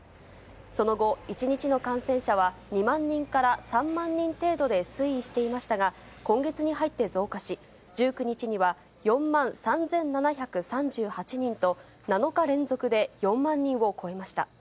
その後、１日の感染者は２万人から３万人程度で推移していましたが、今月に入って増加し、１９日には４万３７３８人と、７日連続で４万人を超えました。